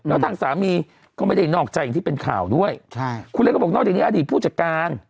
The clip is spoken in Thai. แล้วทางสามีก็ไม่ได้นอกใจอย่างที่เป็นข่าวด้วยใช่คุณเล็กก็บอกนอกจากนี้อดีตผู้จัดการ